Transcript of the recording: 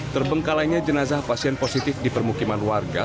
terbengkalainya jenazah pasien positif di permukiman warga